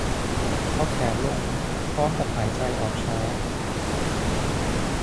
เอาแขนลงพร้อมกับหายใจออกช้า